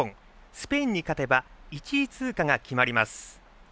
スペインに勝てば１位通過が決まります。